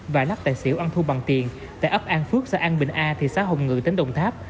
và lắc tài xỉu ăn thu bằng tiền tại ấp an phước xã an bình a thị xã hồng ngự tỉnh đồng tháp